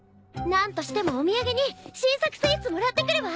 何としてもお土産に新作スイーツもらってくるわ。